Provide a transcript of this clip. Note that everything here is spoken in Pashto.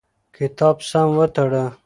کتاب سم وتړه.